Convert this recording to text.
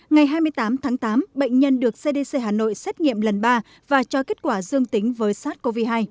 ngày hai mươi tám tháng tám bệnh nhân được cdc hà nội xét nghiệm lần ba và cho kết quả dương tính với sars cov hai